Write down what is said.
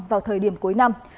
vào thời điểm cuối năm